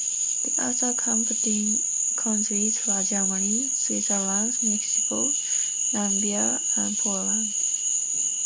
The other competing countries were Germany, Switzerland, Mexico, Namibia, and Poland.